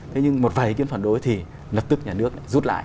thế nhưng một vài ý kiến phản đối thì lập tức nhà nước rút lại